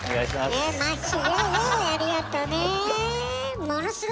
ありがとね。